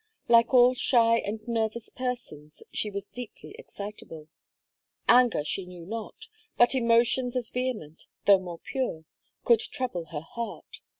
Like all shy and nervous persons, she was deeply excitable. Anger she knew not; but emotions as vehement, though more pure, could trouble her heart.